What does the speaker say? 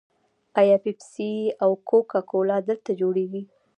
آیا پیپسي او کوکا کولا دلته جوړیږي؟